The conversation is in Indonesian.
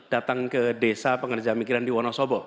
datang ke desa pekerja migran di wonosobo